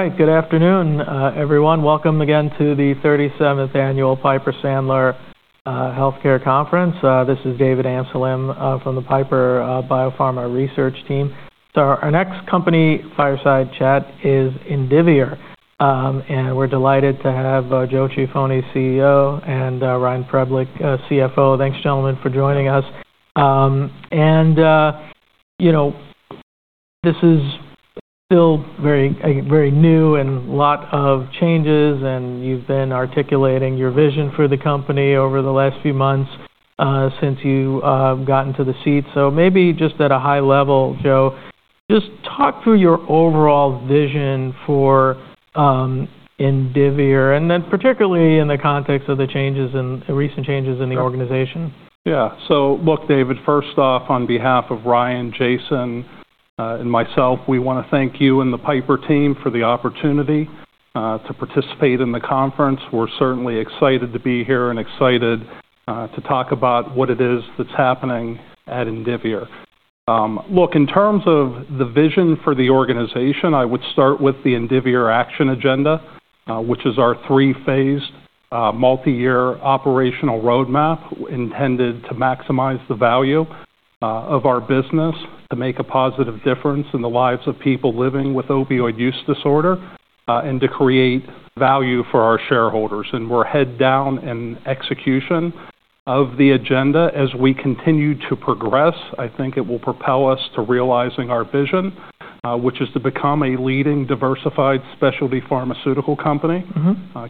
All right, good afternoon, everyone. Welcome again to the 37th Annual Piper Sandler Healthcare Conference. This is David Amsellem from the Piper Biopharma Research Team, so our next company fireside chat is Indivior, and we're delighted to have Joe Ciaffoni, CEO, and Ryan Preblick, CFO. Thanks, gentlemen, for joining us, and this is still very new and a lot of changes, and you've been articulating your vision for the company over the last few months since you got into the seat, so maybe just at a high level, Joe, just talk through your overall vision for Indivior, and then particularly in the context of the recent changes in the organization. Yeah, so look, David, first off, on behalf of Ryan, Jason, and myself, we want to thank you and the Piper team for the opportunity to participate in the conference. We're certainly excited to be here and excited to talk about what it is that's happening at Indivior. Look, in terms of the vision for the organization, I would start with the Indivior Action Agenda, which is our three-phased multi-year operational roadmap intended to maximize the value of our business, to make a positive difference in the lives of people living with opioid use disorder, and to create value for our shareholders. And we're heads down in execution of the agenda as we continue to progress. I think it will propel us to realizing our vision, which is to become a leading diversified specialty pharmaceutical company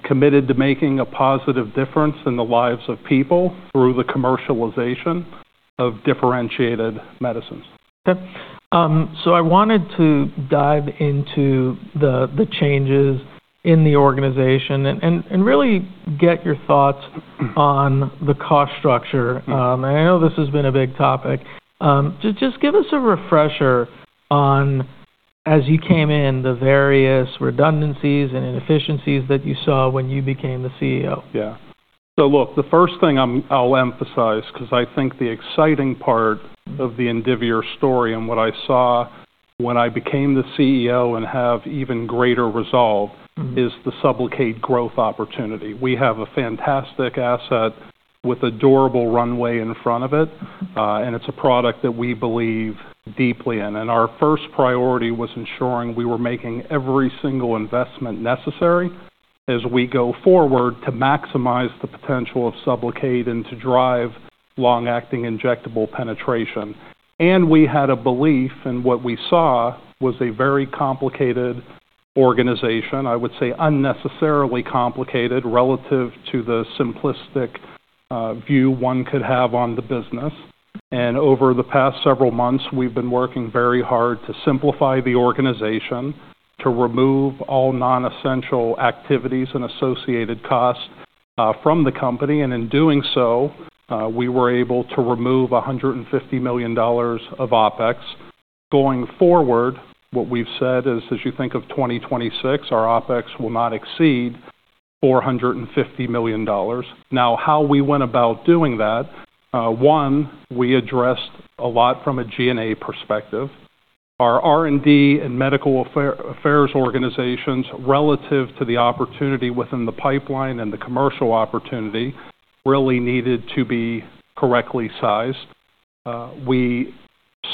committed to making a positive difference in the lives of people through the commercialization of differentiated medicines. Okay, so I wanted to dive into the changes in the organization and really get your thoughts on the cost structure, and I know this has been a big topic. Just give us a refresher on, as you came in, the various redundancies and inefficiencies that you saw when you became the CEO. Yeah. So look, the first thing I'll emphasize, because I think the exciting part of the Indivior story and what I saw when I became the CEO and have even greater resolve is the SUBLOCADE growth opportunity. We have a fantastic asset with a durable runway in front of it, and it's a product that we believe deeply in. And our first priority was ensuring we were making every single investment necessary as we go forward to maximize the potential of SUBLOCADE and to drive long-acting injectable penetration. And we had a belief, and what we saw was a very complicated organization, I would say unnecessarily complicated relative to the simplistic view one could have on the business. And over the past several months, we've been working very hard to simplify the organization, to remove all nonessential activities and associated costs from the company. And in doing so, we were able to remove $150 million of OPEX. Going forward, what we've said is, as you think of 2026, our OPEX will not exceed $450 million. Now, how we went about doing that, one, we addressed a lot from a G&A perspective. Our R&D and medical affairs organizations, relative to the opportunity within the pipeline and the commercial opportunity, really needed to be correctly sized. We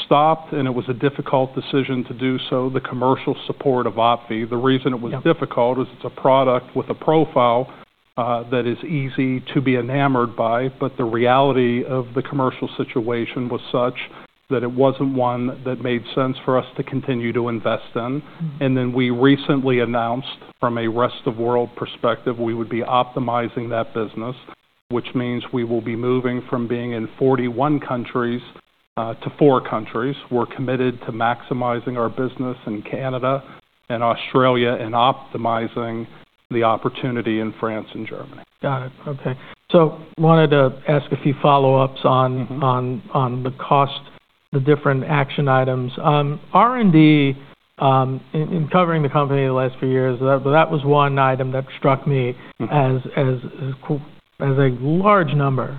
stopped, and it was a difficult decision to do so, the commercial support of OPVEE. The reason it was difficult is it's a product with a profile that is easy to be enamored by, but the reality of the commercial situation was such that it wasn't one that made sense for us to continue to invest in. Then we recently announced, from a Rest of World perspective, we would be optimizing that business, which means we will be moving from being in 41 countries to four countries. We're committed to maximizing our business in Canada and Australia and optimizing the opportunity in France and Germany. Got it. Okay. So wanted to ask a few follow-ups on the cost, the different action items. R&D, in covering the company the last few years, that was one item that struck me as a large number,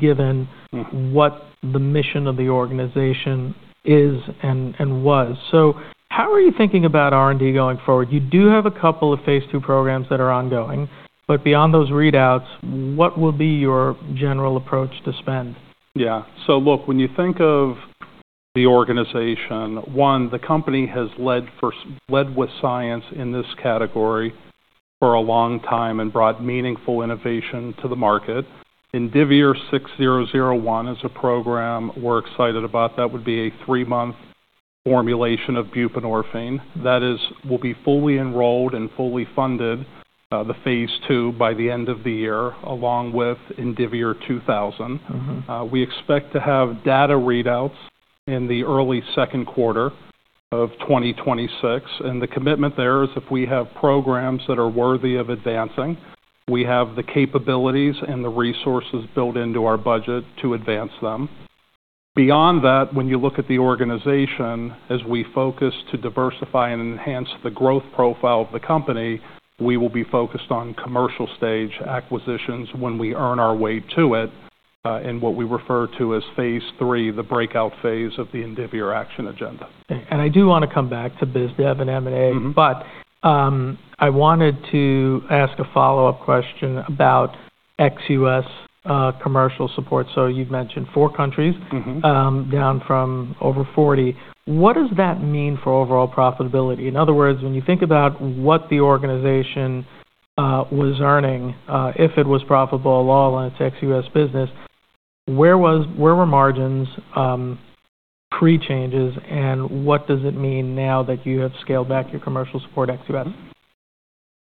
given what the mission of the organization is and was. So how are you thinking about R&D going forward? You do have a couple of phase two programs that are ongoing, but beyond those readouts, what will be your general approach to spend? Yeah. So look, when you think of the organization, one, the company has led with science in this category for a long time and brought meaningful innovation to the market. Indivior 6001 is a program we're excited about. That would be a three-month formulation of buprenorphine. That will be fully enrolled and fully funded, the phase two, by the end of the year, along with Indivior 2000. We expect to have data readouts in the early second quarter of 2026. And the commitment there is if we have programs that are worthy of advancing, we have the capabilities and the resources built into our budget to advance them. Beyond that, when you look at the organization, as we focus to diversify and enhance the growth profile of the company, we will be focused on commercial stage acquisitions when we earn our way to it, in what we refer to as phase three, the breakout phase of the Indivior Action Agenda. And I do want to come back to BizDev and M&A, but I wanted to ask a follow-up question about XUS commercial support. So you've mentioned four countries, down from over 40. What does that mean for overall profitability? In other words, when you think about what the organization was earning, if it was profitable at all in its XUS business, where were margins pre-changes, and what does it mean now that you have scaled back your commercial support XUS?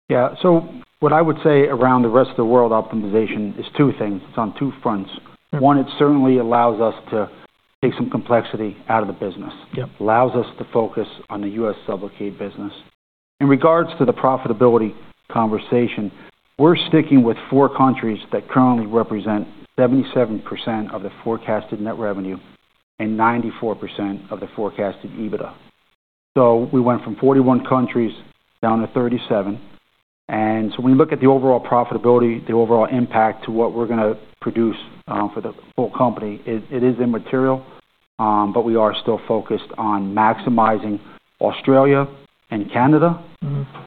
Yeah. So what I would say around the rest of the world optimization is two things. It's on two fronts. One, it certainly allows us to take some complexity out of the business. It allows us to focus on the U.S. Sublocade business. In regards to the profitability conversation, we're sticking with four countries that currently represent 77% of the forecasted net revenue and 94% of the forecasted EBITDA. So we went from 41 countries down to 37. And so when you look at the overall profitability, the overall impact to what we're going to produce for the whole company, it is immaterial, but we are still focused on maximizing Australia and Canada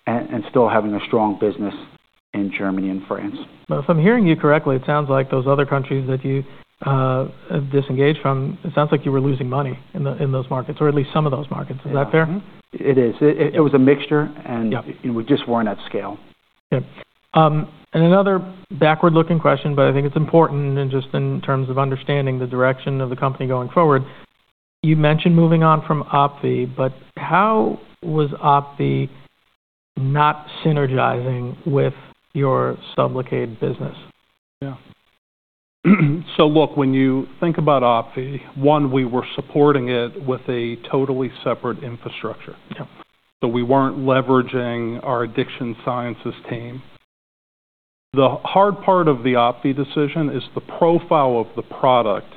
and still having a strong business in Germany and France. If I'm hearing you correctly, it sounds like those other countries that you disengaged from, it sounds like you were losing money in those markets, or at least some of those markets. Is that fair? It is. It was a mixture, and we just weren't at scale. Yeah. And another backward-looking question, but I think it's important just in terms of understanding the direction of the company going forward. You mentioned moving on from OPVEE, but how was OPVEE not synergizing with your SUBLOCADE business? Yeah. So look, when you think about OPVEE, one, we were supporting it with a totally separate infrastructure. So we weren't leveraging our addiction sciences team. The hard part of the OPVEE decision is the profile of the product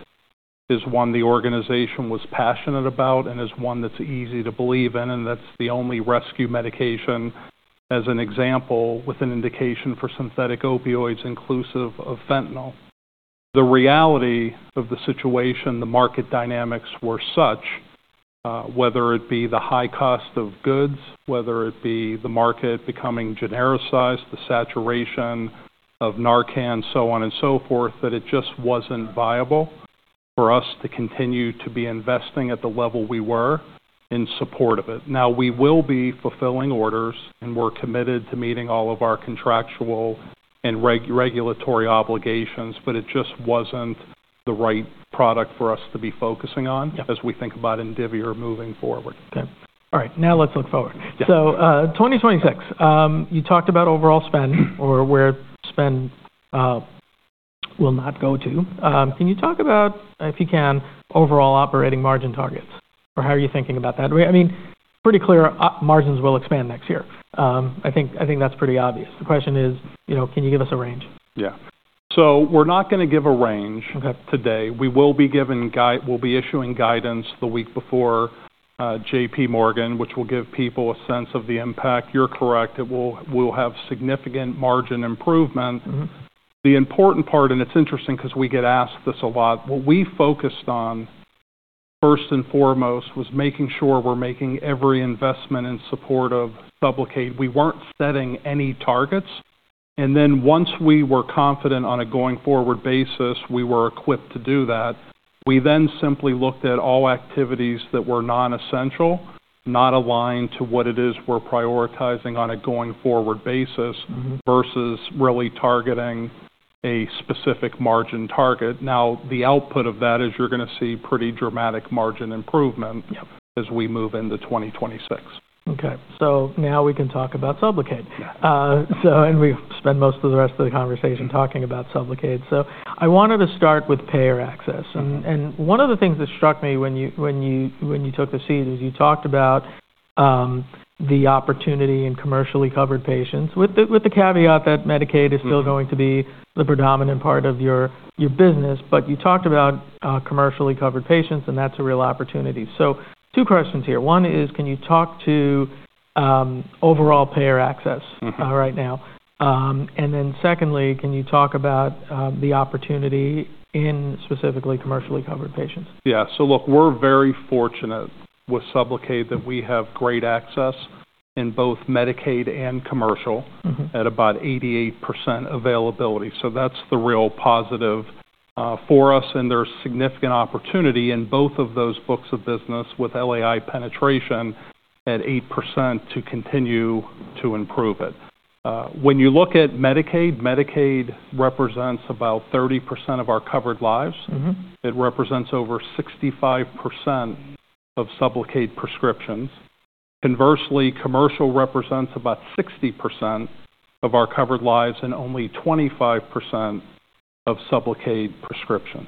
is one the organization was passionate about and is one that's easy to believe in, and that's the only rescue medication, as an example, with an indication for synthetic opioids inclusive of fentanyl. The reality of the situation, the market dynamics were such, whether it be the high cost of goods, whether it be the market becoming genericized, the saturation of Narcan, so on and so forth, that it just wasn't viable for us to continue to be investing at the level we were in support of it. Now, we will be fulfilling orders, and we're committed to meeting all of our contractual and regulatory obligations, but it just wasn't the right product for us to be focusing on as we think about Indivior moving forward. Okay. All right. Now let's look forward. So 2026, you talked about overall spend or where spend will not go to. Can you talk about, if you can, overall operating margin targets? Or how are you thinking about that? I mean, pretty clear, margins will expand next year. I think that's pretty obvious. The question is, can you give us a range? Yeah. So we're not going to give a range today. We will be issuing guidance the week before JP Morgan, which will give people a sense of the impact. You're correct. We'll have significant margin improvement. The important part, and it's interesting because we get asked this a lot, what we focused on first and foremost was making sure we're making every investment in support of SUBLOCADE. We weren't setting any targets. And then once we were confident on a going-forward basis, we were equipped to do that. We then simply looked at all activities that were nonessential, not aligned to what it is we're prioritizing on a going-forward basis versus really targeting a specific margin target. Now, the output of that is you're going to see pretty dramatic margin improvement as we move into 2026. Okay. So now we can talk about SUBLOCADE. And we've spent most of the rest of the conversation talking about Sublocade. So I wanted to start with payer access. And one of the things that struck me when you took the seat is you talked about the opportunity in commercially covered patients, with the caveat that Medicaid is still going to be the predominant part of your business, but you talked about commercially covered patients, and that's a real opportunity. So two questions here. One is, can you talk to overall payer access right now? And then secondly, can you talk about the opportunity in specifically commercially covered patients? Yeah. So look, we're very fortunate with SUBLOCADE that we have great access in both Medicaid and commercial at about 88% availability. So that's the real positive for us, and there's significant opportunity in both of those books of business with LAI penetration at 8% to continue to improve it. When you look at Medicaid, Medicaid represents about 30% of our covered lives. It represents over 65% of SUBLOCADE prescriptions. Conversely, commercial represents about 60% of our covered lives and only 25% of SUBLOCADE prescriptions.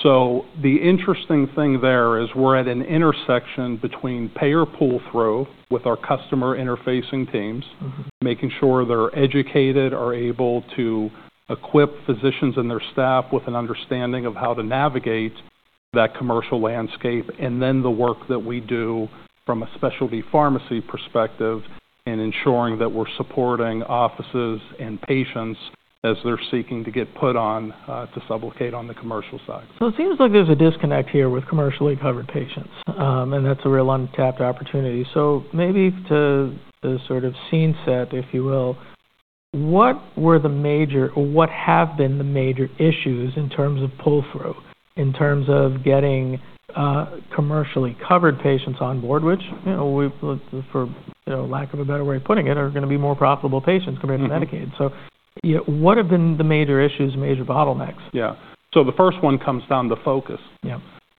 So the interesting thing there is we're at an intersection between payer pull-through with our customer interfacing teams, making sure they're educated, are able to equip physicians and their staff with an understanding of how to navigate that commercial landscape, and then the work that we do from a specialty pharmacy perspective in ensuring that we're supporting offices and patients as they're seeking to get put on to SUBLOCADE on the commercial side. So it seems like there's a disconnect here with commercially covered patients, and that's a real untapped opportunity. So maybe to sort of set the scene, if you will, what were the major or what have been the major issues in terms of pull-through, in terms of getting commercially covered patients on board, which, for lack of a better way of putting it, are going to be more profitable patients compared to Medicaid. So what have been the major issues, major bottlenecks? Yeah. So the first one comes down to focus.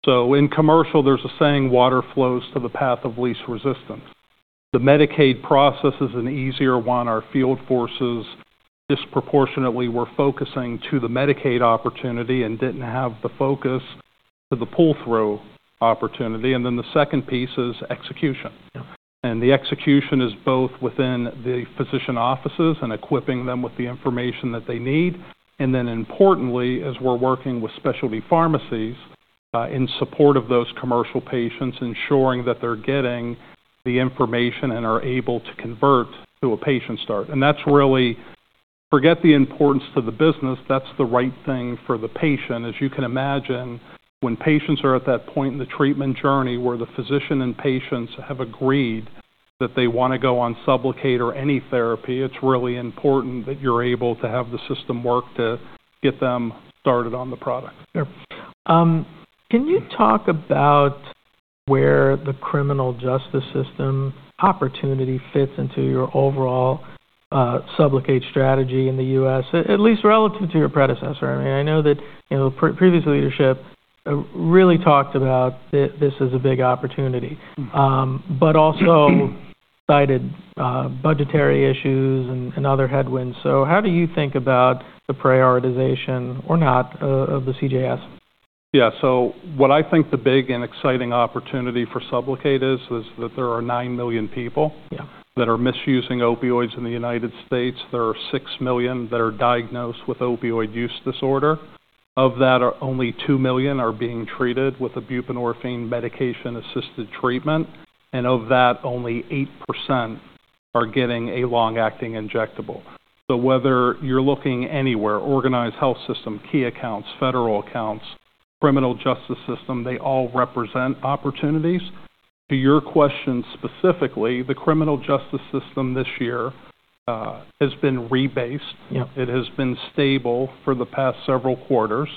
So in commercial, there's a saying, "Water flows to the path of least resistance." The Medicaid process is an easier one. Our field forces disproportionately were focusing to the Medicaid opportunity and didn't have the focus to the pull-through opportunity. And then the second piece is execution. And the execution is both within the physician offices and equipping them with the information that they need. And then importantly, as we're working with specialty pharmacies in support of those commercial patients, ensuring that they're getting the information and are able to convert to a patient start. And that's really, forget the importance to the business, that's the right thing for the patient. As you can imagine, when patients are at that point in the treatment journey where the physician and patients have agreed that they want to go on SUBLOCADE or any therapy, it's really important that you're able to have the system work to get them started on the product. Sure. Can you talk about where the criminal justice system opportunity fits into your overall Sublocade strategy in the U.S., at least relative to your predecessor? I mean, I know that previous leadership really talked about this as a big opportunity, but also cited budgetary issues and other headwinds. So how do you think about the prioritization, or not, of the CJS? Yeah. So what I think the big and exciting opportunity for Sublocade is that there are 9 million people that are misusing opioids in the United States. There are 6 million that are diagnosed with opioid use disorder. Of that, only 2 million are being treated with a buprenorphine medication-assisted treatment. And of that, only 8% are getting a long-acting injectable. So whether you're looking anywhere, organized health system, key accounts, federal accounts, criminal justice system, they all represent opportunities. To your question specifically, the criminal justice system this year has been rebased. It has been stable for the past several quarters,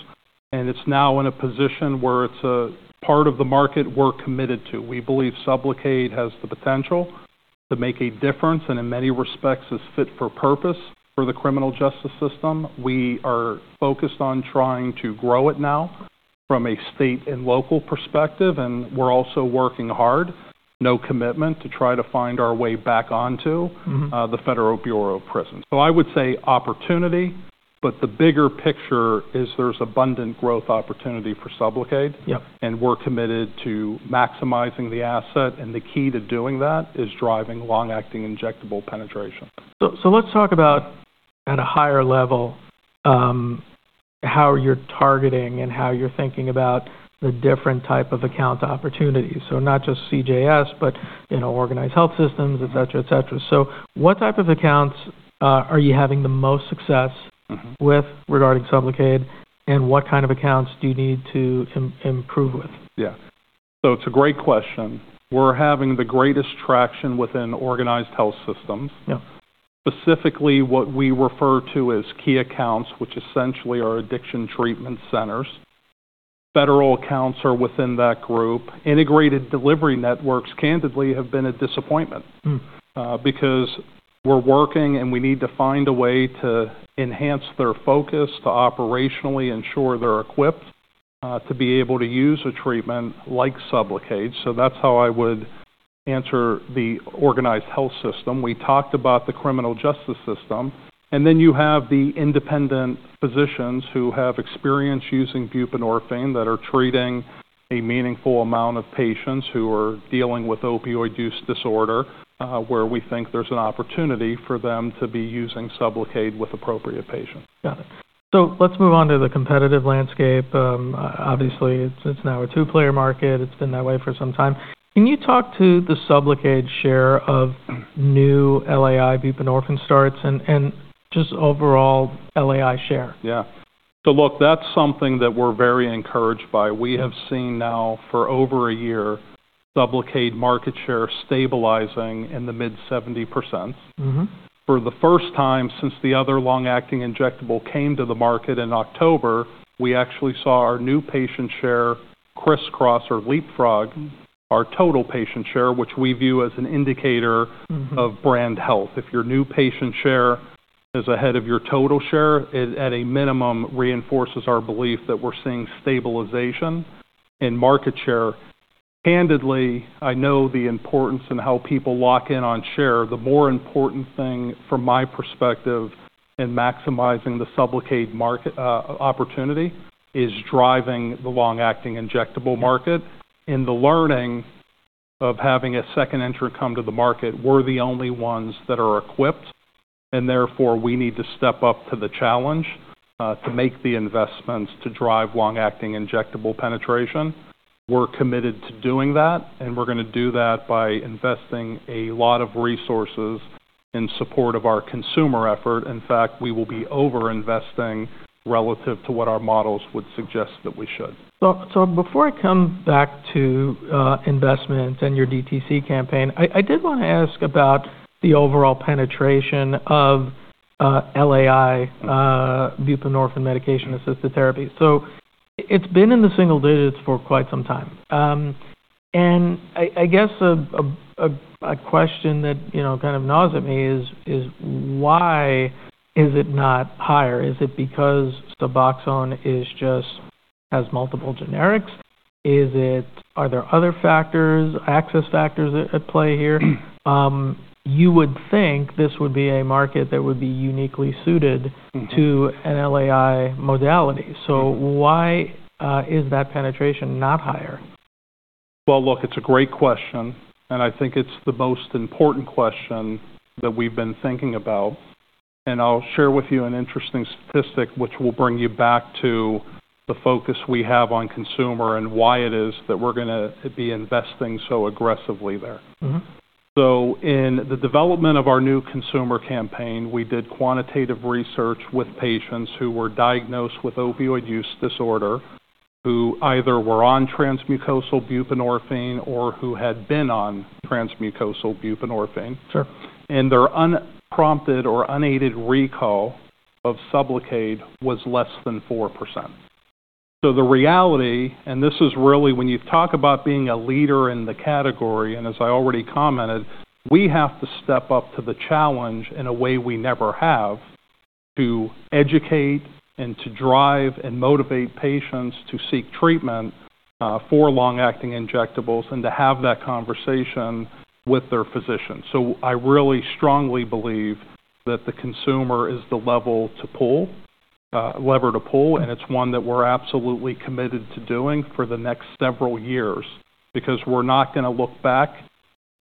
and it's now in a position where it's a part of the market we're committed to. We believe Sublocade has the potential to make a difference and in many respects is fit for purpose for the criminal justice system. We are focused on trying to grow it now from a state and local perspective, and we're also working hard, no commitment to try to find our way back onto the Federal Bureau of Prisons, so I would say opportunity, but the bigger picture is there's abundant growth opportunity for Sublocade, and we're committed to maximizing the asset, and the key to doing that is driving long-acting injectable penetration. Let's talk about, at a higher level, how you're targeting and how you're thinking about the different type of account opportunities. Not just CJS, but organized health systems, etc., etc. What type of accounts are you having the most success with regarding SUBLOCADE, and what kind of accounts do you need to improve with? Yeah, so it's a great question. We're having the greatest traction within organized health systems, specifically what we refer to as key accounts, which essentially are addiction treatment centers. Federal accounts are within that group. Integrated delivery networks, candidly, have been a disappointment because we're working, and we need to find a way to enhance their focus, to operationally ensure they're equipped to be able to use a treatment like Sublocade. So that's how I would answer the organized health system. We talked about the criminal justice system. And then you have the independent physicians who have experience using buprenorphine that are treating a meaningful amount of patients who are dealing with opioid use disorder, where we think there's an opportunity for them to be using Sublocade with appropriate patients. Got it. So let's move on to the competitive landscape. Obviously, it's now a two-player market. It's been that way for some time. Can you talk to the Sublocade share of new LAI buprenorphine starts and just overall LAI share? Yeah. So look, that's something that we're very encouraged by. We have seen now for over a year Sublocade market share stabilizing in the mid-70%. For the first time since the other long-acting injectable came to the market in October, we actually saw our new patient share crisscross or leapfrog our total patient share, which we view as an indicator of brand health. If your new patient share is ahead of your total share, it at a minimum reinforces our belief that we're seeing stabilization in market share. Candidly, I know the importance in how people lock in on share. The more important thing, from my perspective, in maximizing the Sublocade market opportunity is driving the long-acting injectable market. In the learning of having a second entrant come to the market, we're the only ones that are equipped, and therefore we need to step up to the challenge to make the investments to drive long-acting injectable penetration. We're committed to doing that, and we're going to do that by investing a lot of resources in support of our consumer effort. In fact, we will be over-investing relative to what our models would suggest that we should. So before I come back to investment and your DTC campaign, I did want to ask about the overall penetration of LAI buprenorphine medication-assisted therapy. So it's been in the single digits for quite some time. And I guess a question that kind of gnaws at me is, why is it not higher? Is it because Suboxone just has multiple generics? Are there other factors, access factors at play here? You would think this would be a market that would be uniquely suited to an LAI modality. So why is that penetration not higher? Look, it's a great question, and I think it's the most important question that we've been thinking about. I'll share with you an interesting statistic, which will bring you back to the focus we have on consumer and why it is that we're going to be investing so aggressively there. In the development of our new consumer campaign, we did quantitative research with patients who were diagnosed with opioid use disorder, who either were on transmucosal buprenorphine or who had been on transmucosal buprenorphine. Their unprompted or unaided recall of Sublocade was less than 4%. So the reality, and this is really when you talk about being a leader in the category, and as I already commented, we have to step up to the challenge in a way we never have to educate and to drive and motivate patients to seek treatment for long-acting injectables and to have that conversation with their physician. So I really strongly believe that the consumer is the lever to pull, and it's one that we're absolutely committed to doing for the next several years because we're not going to look back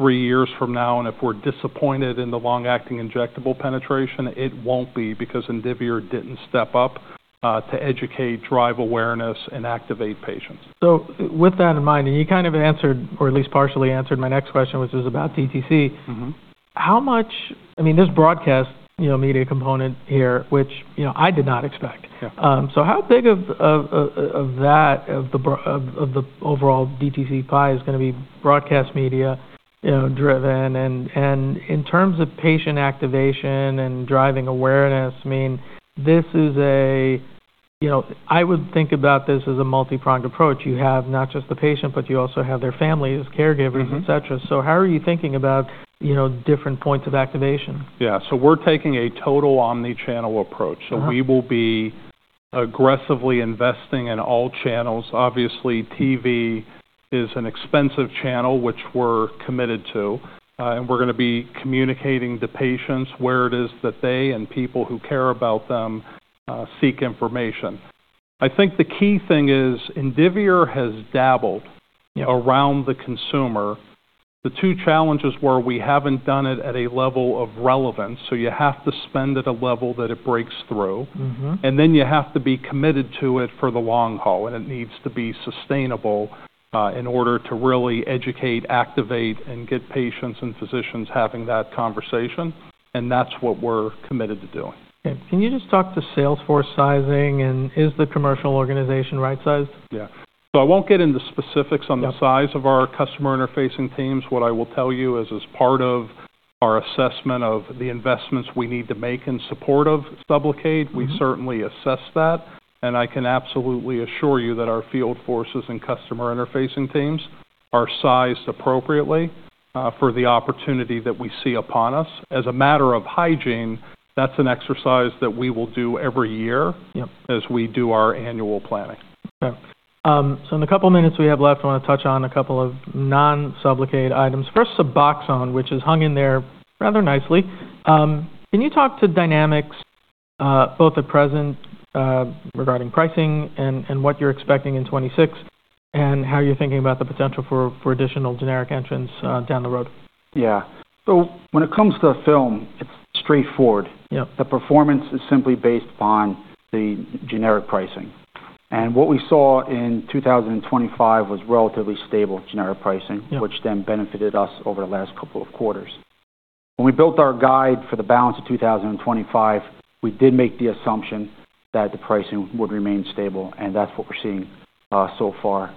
three years from now, and if we're disappointed in the long-acting injectable penetration, it won't be because Indivior didn't step up to educate, drive awareness, and activate patients. So with that in mind, and you kind of answered, or at least partially answered, my next question, which is about DTC. I mean, there's broadcast media component here, which I did not expect. So how big of that, of the overall DTC pie, is going to be broadcast media driven? And in terms of patient activation and driving awareness, I mean, this is, I would think about this as a multi-pronged approach. You have not just the patient, but you also have their families, caregivers, etc. So how are you thinking about different points of activation? Yeah. So we're taking a total omnichannel approach. So we will be aggressively investing in all channels. Obviously, TV is an expensive channel, which we're committed to. And we're going to be communicating to patients where it is that they and people who care about them seek information. I think the key thing is Indivior has dabbled around the consumer. The two challenges were we haven't done it at a level of relevance. So you have to spend at a level that it breaks through, and then you have to be committed to it for the long haul, and it needs to be sustainable in order to really educate, activate, and get patients and physicians having that conversation. And that's what we're committed to doing. Can you just talk to sales force sizing, and is the commercial organization right-sized? Yeah. So I won't get into specifics on the size of our customer interfacing teams. What I will tell you is as part of our assessment of the investments we need to make in support of SUBLOCADE, we certainly assess that, and I can absolutely assure you that our field forces and customer interfacing teams are sized appropriately for the opportunity that we see upon us. As a matter of hygiene, that's an exercise that we will do every year as we do our annual planning. Okay. So in the couple of minutes we have left, I want to touch on a couple of non-Sublocade items. First, Suboxone, which is hung in there rather nicely. Can you talk to dynamics, both at present regarding pricing and what you're expecting in 2026, and how you're thinking about the potential for additional generic entrants down the road? Yeah. So when it comes to film, it's straightforward. The performance is simply based upon the generic pricing. And what we saw in 2025 was relatively stable generic pricing, which then benefited us over the last couple of quarters. When we built our guidance for the balance of 2025, we did make the assumption that the pricing would remain stable, and that's what we're seeing so far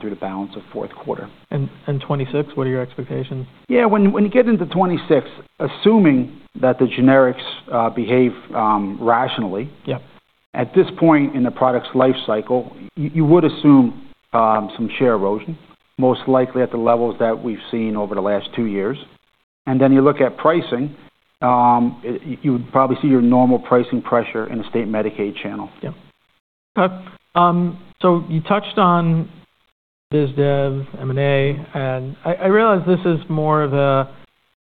through the balance of fourth quarter. And 2026, what are your expectations? Yeah. When you get into 2026, assuming that the generics behave rationally, at this point in the product's life cycle, you would assume some share erosion, most likely at the levels that we've seen over the last two years, and then you look at pricing, you would probably see your normal pricing pressure in a state Medicaid channel. Yeah. Okay. So you touched on BizDev, M&A, and I realize this is more of a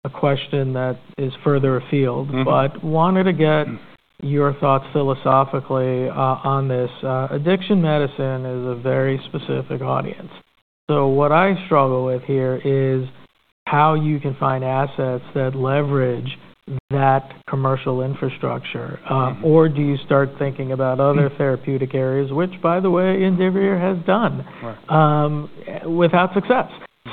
question that is further afield, but wanted to get your thoughts philosophically on this. Addiction medicine is a very specific audience. So what I struggle with here is how you can find assets that leverage that commercial infrastructure, or do you start thinking about other therapeutic areas, which, by the way, Indivior has done without success?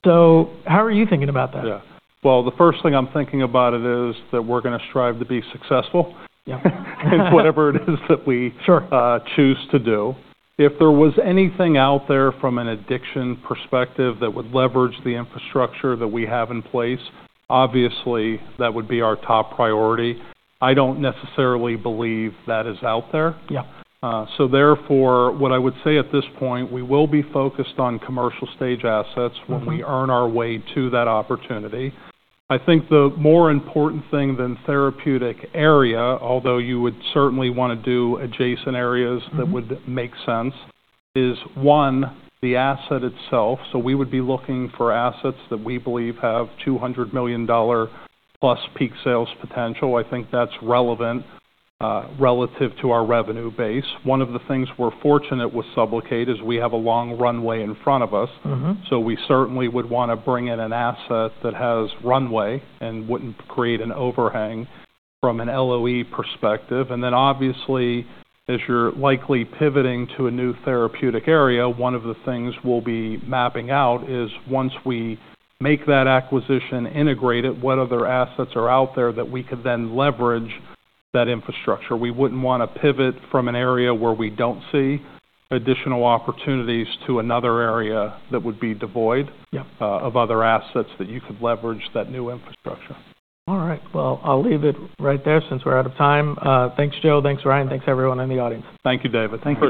So how are you thinking about that? Yeah. Well, the first thing I'm thinking about is that we're going to strive to be successful in whatever it is that we choose to do. If there was anything out there from an addiction perspective that would leverage the infrastructure that we have in place, obviously, that would be our top priority. I don't necessarily believe that is out there. So therefore, what I would say at this point, we will be focused on commercial stage assets when we earn our way to that opportunity. I think the more important thing than therapeutic area, although you would certainly want to do adjacent areas that would make sense, is one, the asset itself. So we would be looking for assets that we believe have $200 million plus peak sales potential. I think that's relevant relative to our revenue base. One of the things we're fortunate with Sublocade is we have a long runway in front of us. So we certainly would want to bring in an asset that has runway and wouldn't create an overhang from an LOE perspective. And then, obviously, as you're likely pivoting to a new therapeutic area, one of the things we'll be mapping out is once we make that acquisition, integrate it, what other assets are out there that we could then leverage that infrastructure. We wouldn't want to pivot from an area where we don't see additional opportunities to another area that would be devoid of other assets that you could leverage that new infrastructure. All right. Well, I'll leave it right there since we're out of time. Thanks, Joe. Thanks, Ryan. Thanks, everyone in the audience. Thank you, David. Thank you.